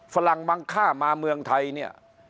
ฝรั่งมังค่ามาเมืองไทยเนี่ย